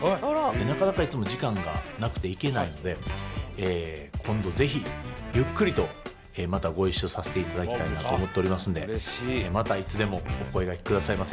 なかなかいつも時間がなくて行けないので今度ぜひゆっくりとまたごいっしょさせていただきたいなと思っておりますのでまたいつでもお声がけくださいませ。